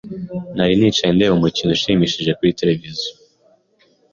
Nari nicaye ndeba umukino ushimishije kuri tereviziyo.